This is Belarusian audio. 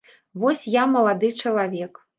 Вось я малады чалавек.